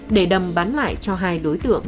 để đầm bán lại cho hai đối tượng